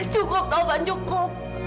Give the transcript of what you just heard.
cukup taufan cukup